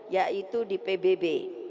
yaitu di pbb